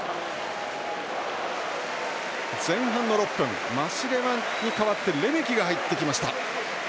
前半の６分マシレワに代わってレメキが入ってきました。